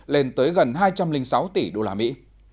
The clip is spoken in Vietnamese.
lên tới gần hai trăm linh sáu tỷ đô la mỹ